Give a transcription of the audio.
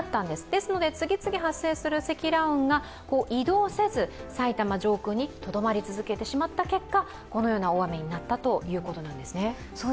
ですので次々発生する積乱雲が移動せず埼玉上空にとどまり続けてしまった結果このような大雨になったということなんですね。